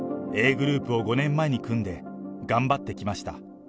ｇｒｏｕｐを５年前に組んで頑張ってきました。